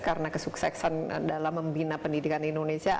karena kesuksesan dalam membina pendidikan indonesia